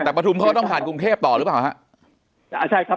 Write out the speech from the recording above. แต่ประทุมท้อน้องผ่านกรุงเทพต่อหรือเปล่าฮะอ่าใช่ครับ